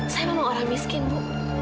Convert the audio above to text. saya memang orang miskin bu